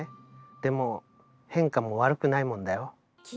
でも変化も悪くないもんだよ。